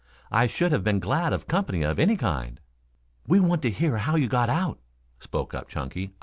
I should have been glad of company of any kind." "We want to hear how you got out," spoke up Chunky.